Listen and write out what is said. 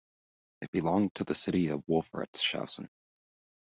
It belonged to the city of Wolfratshausen.